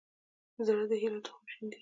زړه د هيلو تخم شیندي.